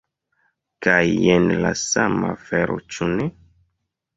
Kaj jen la sama afero, ĉu ne?